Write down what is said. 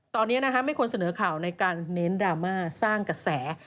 ตอนนี้ไม่ควรเสนอข่าวในการเน้นดราม่าสร้างกระแส